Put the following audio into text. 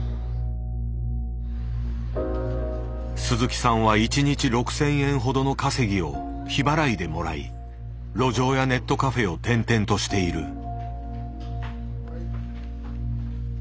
鈴木さんは一日６，０００円ほどの稼ぎを日払いでもらい路上やネットカフェを転々としている。